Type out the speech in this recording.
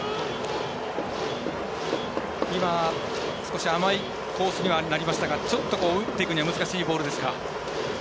今、少し甘いコースにはなりましたがちょっと打っていくには難しいボールですか？